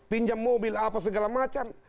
pinjam mobil apa segala macam